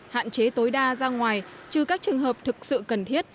hạn chế tối đa ra ngoài trừ các trường hợp thực sự cần thiết